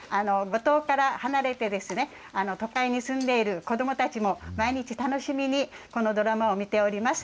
五島から離れて、都会に住んでいる子どもたちも、毎日楽しみにこのドラマを見ております。